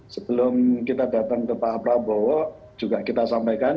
sebelum kita datang ke pak prabowo juga kita sampaikan